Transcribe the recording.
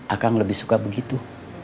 akang lebih suka begitu